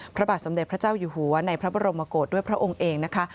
พระบาทสมเด็จพระเจ้าอยู่หัวในพระบรมโกศด้วยพระองค์เองนะคะ